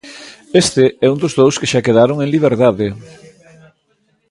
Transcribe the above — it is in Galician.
Este é un dos dous que xa quedaron en liberdade.